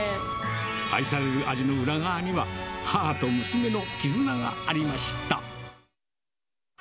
愛される味の裏側には、母と娘の絆がありました。